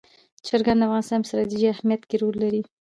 چرګان د افغانستان په ستراتیژیک اهمیت کې رول لري.